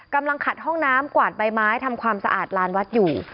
กำลังขัดห้องน้ำกวาดใบไม้ทำความสะอาดลานวัดอยู่